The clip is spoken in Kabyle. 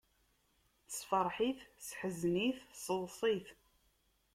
Sefreḥ-it, seḥzen-it, seḍs-it.